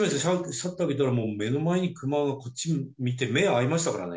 シャッター開けたら、もう目の前にクマがこっち見て、目合いましたからね。